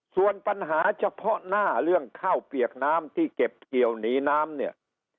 ส่วนปัญหาเฉพาะหน้าเรื่องข้าวเปียกน้ำที่เก็บเกี่ยวหนีน้ำเนี่ย